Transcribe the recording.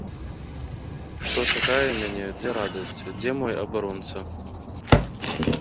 Што чакае мяне, дзе радасць, дзе мой абаронца?